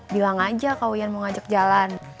bilang aja kalau wian mau ngajak jalan